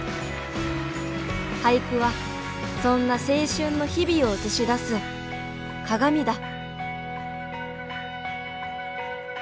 俳句はそんな青春の日々を映し出す鏡だ。